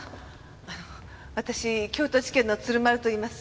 あの私京都地検の鶴丸といいます。